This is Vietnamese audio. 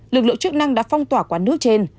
lực lượng chức năng đã phong tỏa quán nước trên